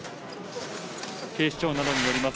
警視庁などによります